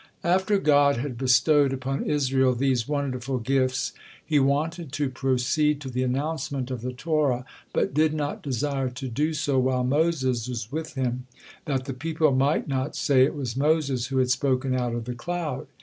After God had bestowed upon Israel these wonderful gifts, He wanted to proceed to the announcement of the Torah, but did not desire to do so while Moses was with Him, that the people might not say it was Moses who had spoken out of the cloud.